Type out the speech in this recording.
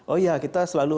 oh iya kita selalu